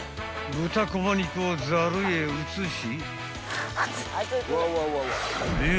［豚こま肉をザルへ移し］